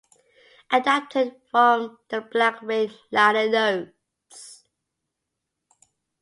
Adapted from the "Black Rain" liner notes.